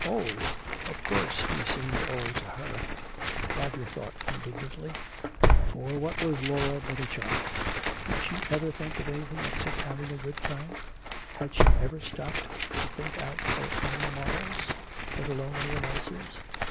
Old? Of course he seemed old to her, Roger thought indignantly. For what was Laura but a child? Did she ever think of anything except having a good time? Had she ever stopped to think out her own morals, let alone anyone else's?